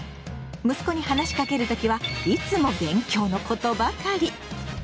息子に話しかける時はいつも勉強のことばかり。